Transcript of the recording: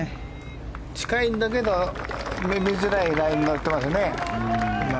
近いんだけど読みづらいラインに乗っていますね。